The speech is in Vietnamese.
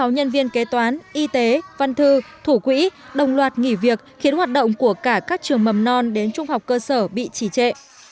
sáu nhân viên kế toán y tế văn thư thủ quỹ đồng loạt nghỉ việc khiến hoạt động của cả các trường mầm non đến trung học cơ sở bị trì trệ